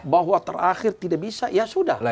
bahwa terakhir tidak bisa ya sudah lah